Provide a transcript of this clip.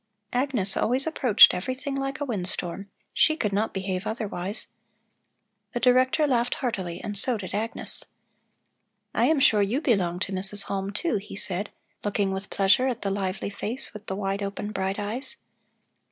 Agnes always approached everything like a wind storm. She could not behave otherwise. The Director laughed heartily and so did Agnes. "I am sure you belong to Mrs. Halm, too," he said, looking with pleasure at the lively face with the wide open, bright eyes.